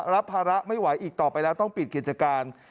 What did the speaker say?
รับภาระไม่ไหวอีกต่อไปแล้วต้องปิดกิจการ